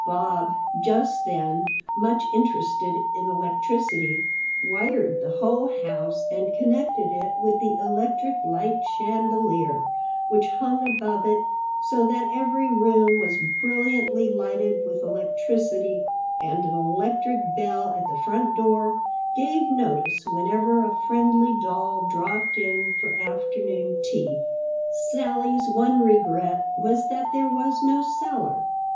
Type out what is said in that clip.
Bob, just then much interested in electricity, wired the whole house and connected it with the electric light chandelier which hung above it, so that every room was brilliantly lighted with electricity, and an electric bell at the front door gave notice whenever a friendly doll dropped in for afternoon tea. Sally's one regret was that there was no cellar.